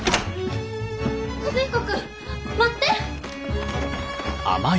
・和彦君待って！